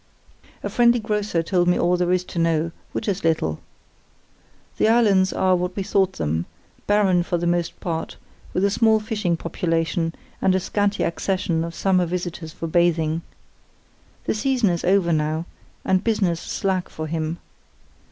A friendly grocer told me all there is to know, which is little. The islands are what we thought them—barren for the most part, with a small fishing population, and a scanty accession of summer visitors for bathing. The season is over now, and business slack for him.